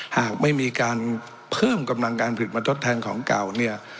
หากไม่มีการเพิ่มกำลังการผลิตมาทดแทนของเก่าเนี่ย